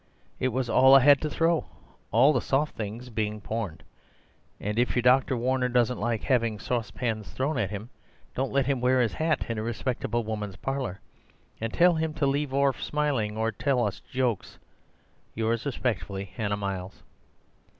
It was all I had to throw, all the soft things being porned, and if your Docter Warner doesn't like having sorsepans thrown at him, don't let him wear his hat in a respectable woman's parler, and tell him to leave orf smiling or tell us the joke.—Yours respectfully, Hannah Miles.